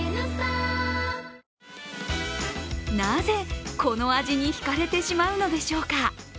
なぜ、この味にひかれてしまうのでしょうか。